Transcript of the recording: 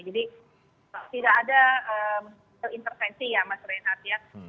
jadi tidak ada intervensi ya mas rehat ya